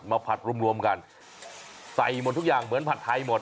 ผัดรวมรวมกันใส่หมดทุกอย่างเหมือนผัดไทยหมด